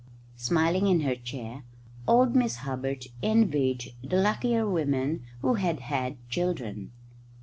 Smiling in her chair, old Miss Hubbard envied the luckier women who had had children.